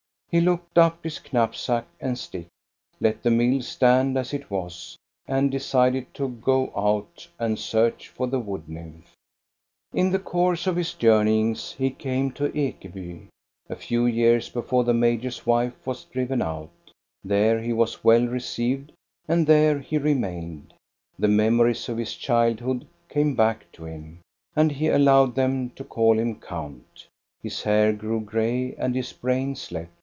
He looked up his knapsack and stick, let the mill stand as it was, and decided to go out and search for the wood nymph. In the course of his joumeyings he came to Ekeby, a few years before the major's wife was driven out. There he was well received, and there he remained. The memories of his childhood came back to him, and he allowed them to call him count. His hair grew gray and his brain slept.